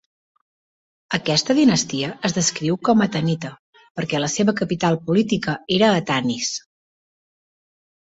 Aquesta dinastia es descriu com a Tanite perquè la seva capital política era a Tanis.